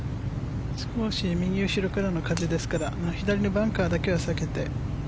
少し右後ろからの風ですから左のバンカーだけは避けて。